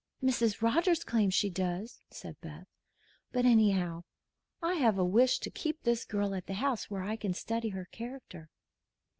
"Mrs. Rogers claims she does," said Beth. "But anyhow, I have a wish to keep this girl at the house, where I can study her character."